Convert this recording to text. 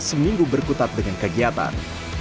seminggu berkutat dengan kegiatan